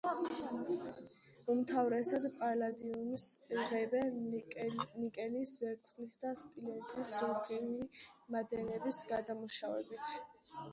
უმთავრესად პალადიუმს იღებენ ნიკელის, ვერცხლის და სპილენძის სულფიდური მადნების გადამუშავებით.